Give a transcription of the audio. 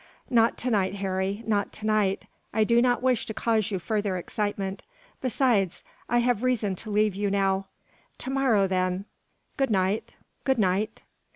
"Not to night, Harry; not to night. I do not wish to cause you further excitement; besides, I have reason to leave you now. To morrow, then. Good night! Good night!"